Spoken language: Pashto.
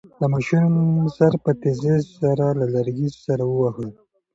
د ماشوم سر په تېزۍ سره له لرګي سره وواهه.